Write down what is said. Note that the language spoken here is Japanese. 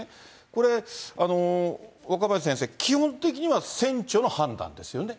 これ、若林先生、基本的には船長の判断ですよね。